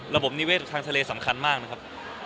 ระบบนิเวศทางทะเลสำคัญมากนะครับ